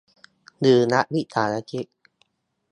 หรือรัฐวิสาหกิจ